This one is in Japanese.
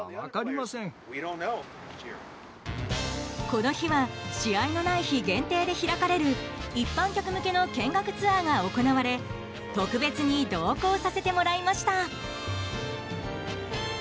この日は、試合のない日限定で開かれる一般客向けの見学ツアーが行われ特別に同行させてもらいました。